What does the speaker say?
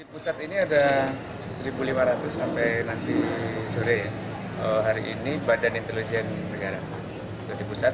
pusat ini ada satu lima ratus sampai nanti sore hari ini badan intelijen negara di pusat